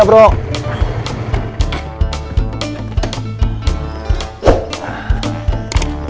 nah ini rumahnya